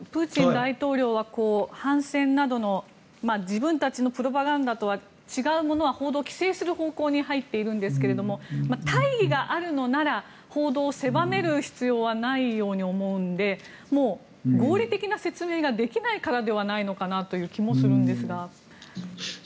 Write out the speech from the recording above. プーチン大統領は反戦などの自分たちのプロパガンダとは違うものは報道を規制する方向に入っているんですが大義があるのなら報道を狭める必要はないように思うので合理的な説明ができないからではないのかなという気もするんですが。